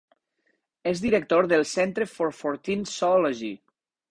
És director del Centre for Fortean Zoology.